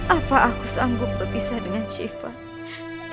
apa aku sanggup berpisah dengan syifat